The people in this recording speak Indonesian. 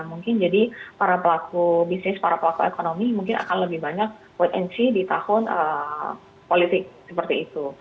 mungkin jadi para pelaku bisnis para pelaku ekonomi mungkin akan lebih banyak wait and see di tahun politik seperti itu